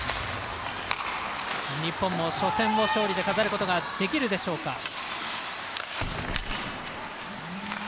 日本も初戦を勝利で飾ることができるでしょうか。